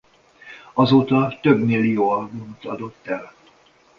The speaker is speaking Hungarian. Azóta több millió albumot adott el.